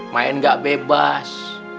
main gak bebas